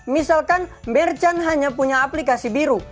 misalkan merchant hanya punya aplikasi biru